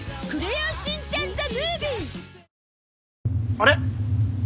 あれ？